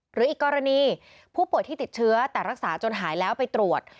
หรืออีกกรณีผู้ป่วยที่ติดเชื้อแต่รักษาจนหายแล้วไปตรวจ